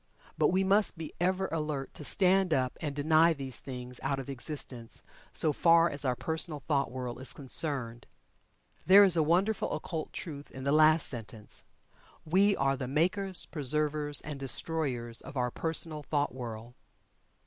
But we must be ever alert, to stand up and deny these things out of existence so far as our personal thought world is concerned. There is a wonderful occult truth in the last sentence. We are the makers, preservers, and destroyers of our personal thought world.